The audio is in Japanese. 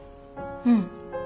うん。